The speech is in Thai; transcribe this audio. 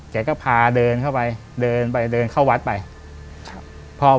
แกก็พาเดินเข้าไปเดินไปเดินเข้าวัดไปครับพอ